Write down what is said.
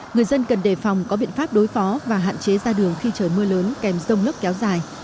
người dân cần đề phòng có biện pháp đối phó và hạn chế ra đường khi trời mưa lớn kèm rông lốc kéo dài